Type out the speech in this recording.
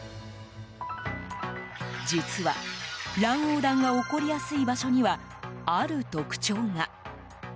実は、乱横断が起こりやすい場所には、ある特徴が。